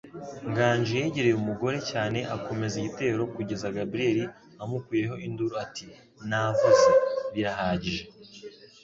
Nganji yegereye umugore cyane akomeza igitero kugeza Gabriel amukuyeho induru ati: "Navuze, birahagije!"